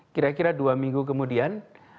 kira kira dua minggu kemudian